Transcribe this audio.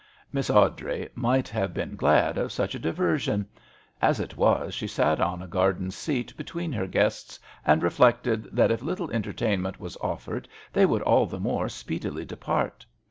Miss Awdrey might have been glad of such a diversion. As it was she sat on a garden seat between her guests, and reflected that if little entertainment was offered they would all the more speedily depart.